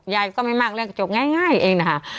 ยายก็ไม่มากเรื่องจบง่ายเองนะคะ